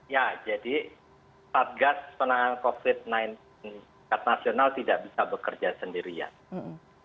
ya jadi target penanganan covid sembilan belas di sekat nasional tidak bisa bekerja sendirian